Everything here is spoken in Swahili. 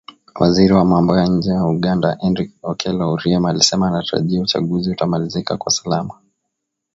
Waziri wa Mambo ya Nje wa Uganda Henry Okello Oryem, alisema anatarajia uchaguzi utamalizika kwa salama